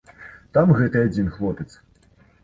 Там гэты адзін хлопец.